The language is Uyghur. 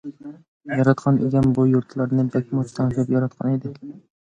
ياراتقان ئىگەم بۇ يۇرتلارنى بەكمۇ تەڭشەپ ياراتقان ئىدى.